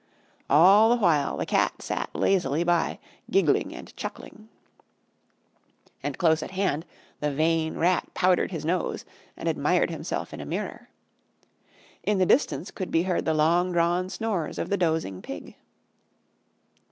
All the while the Cat sat lazily by, giggling and chuckling. And close at hand the vain Rat powdered his nose and admired himself in a mirror. In the distance could be heard the long drawn snores of the dozing Pig.